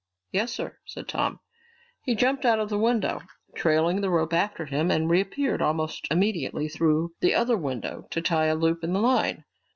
"Yes, sir," said Tom. He jumped out of the window, trailing the rope after him, and reappeared almost immediately through the other window to tie a loop in the line.